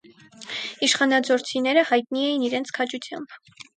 Իշխանաձորցիները հայնտի էին իրենց քաջությամբ։